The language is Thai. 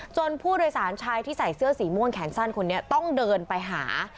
ผู้โดยสารชายที่ใส่เสื้อสีม่วงแขนสั้นคนนี้ต้องเดินไปหา